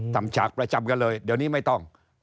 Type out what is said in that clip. ฉากประจำกันเลยเดี๋ยวนี้ไม่ต้อง